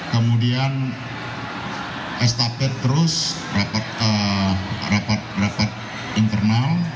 kemudian estafet terus rapat rapat internal